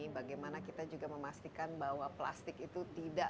bagaimana kita juga memastikan bahwa plastik itu tidak